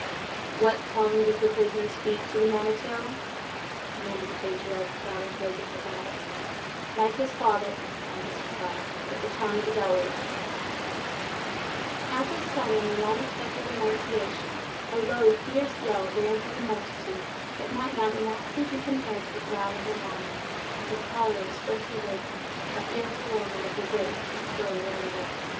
"With what tongue does the prisoner speak to the Manitou?" demanded the patriarch, without unclosing his eyes. "With what tongue does the prisoner speak to the Manitou?" "Like his fathers," Uncas replied; "with the tongue of a Delaware." At this sudden and unexpected annunciation, a low, fierce yell ran through the multitude, that might not inaptly be compared to the growl of the lion, as his choler is first awakened—a fearful omen of the weight of his future anger.